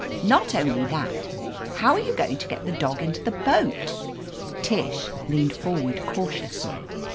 Not only that. How are you going to get the dog into the boatf* Tish leaned forward cautiously.